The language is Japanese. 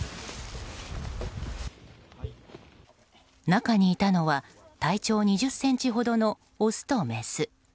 中にいたのは体長２０ｃｍほどのオスとメス。